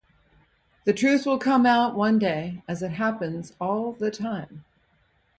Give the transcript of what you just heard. The truth will come out one day as it happens all the time.